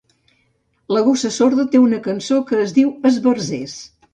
La Gossa Sorda té una cançó que es diu "esbarzers".